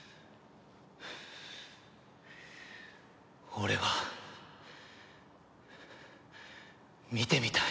俺は見てみたい。